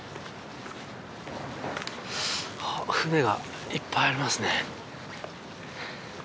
あっ船がいっぱいありますね。